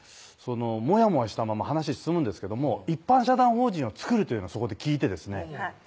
もやもやしたまま話進むんですけども「一般社団法人を作る」というのをそこで聞いてですね